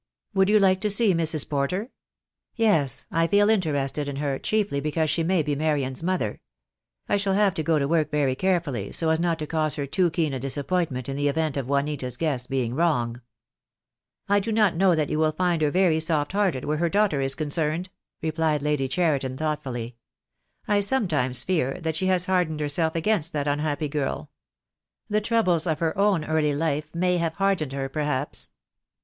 "Would you like to see Mrs. Porter?" "Yes. I feel interested in her, chiefly because she may be Marian's mother. I shall have to go to work very carefully, so as not to cause her too keen a disap pointment in the event of Juanita's guess being wrong." "I do not know that you will find her very soft hearted where her daughter is concerned," replied Lady Cheriton, thoughtfully. "I sometimes fear that she has hardened herself against that unhappy girl. The troubles of her own early life may have hardened her, perhaps.